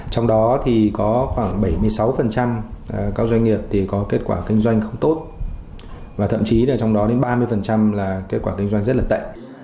trong đó thì có khoảng bảy mươi sáu các doanh nghiệp thì có kết quả kinh doanh không tốt và thậm chí là trong đó đến ba mươi là kết quả kinh doanh rất là tệ